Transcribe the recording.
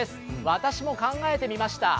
私も考えてみました。